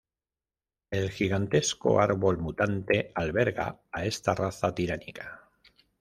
El gigantesco árbol mutante alberga a esta raza tiránica.